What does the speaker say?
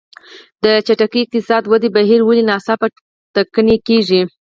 د چټکې اقتصادي ودې بهیر ولې ناڅاپه ټکنی کېږي.